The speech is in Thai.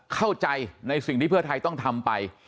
เข้าใจในสิ่งที่เพื่อไทยต้องทำไป